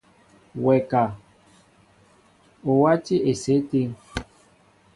Wɛ ka, o wátī esew étíŋ ?